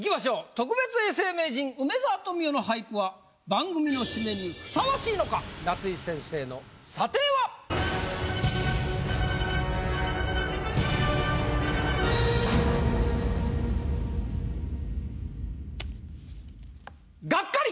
特別永世名人梅沢富美男の俳句は番組の締めにふさわしいのか⁉夏井先生の査定は⁉ガッカリ。